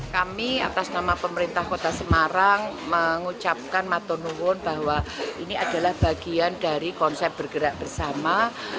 kami atas nama pemerintah kota semarang mengucapkan matonuhun bahwa ini adalah bagian dari konsep bergerak bersama